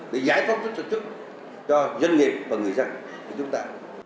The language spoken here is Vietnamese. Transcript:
để giải phóng sức sản xuất cho doanh nghiệp và người dân của chúng ta